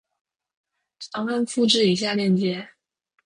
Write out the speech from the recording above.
长按复制以下链接